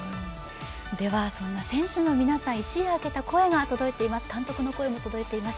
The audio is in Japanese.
では、そんな選手の皆さん一夜明けた声が届いています。